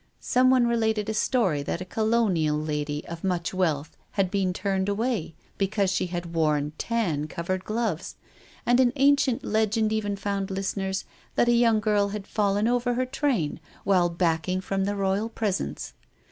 Someone related a story that a colo nial lady of much wealth had been turned away because she had worn tan coloured gloves, and an ancient legend even found listeners that a debutante had fallen over her train while backing from the Royal presence.